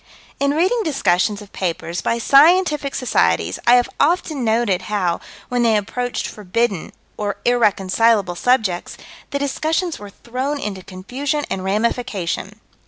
In reading discussions of papers, by scientific societies, I have often noted how, when they approached forbidden or irreconcilable subjects, the discussions were thrown into confusion and ramification.